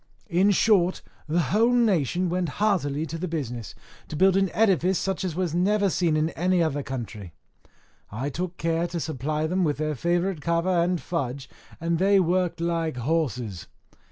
In short, the whole nation went heartily to the business, to build an edifice such as was never seen in any other country. I took care to supply them with their favourite kava and fudge, and they worked like horses.